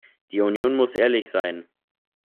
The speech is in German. Die Union muss ehrlich sein.